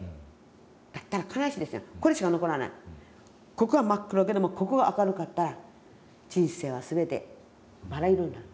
ここは真っ暗けでもここが明るかったら人生は全てバラ色になる。